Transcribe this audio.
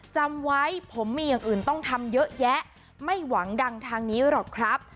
จำไว้ผมมีอย่างอื่นต้องทำเยอะแยะไม่หวังดังทางนี้หรอกครับ